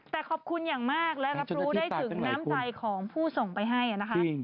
แต่ขอบคุณอย่างมากและรับรู้ได้ถึงน้ำใจของผู้ส่งไปให้นะคะ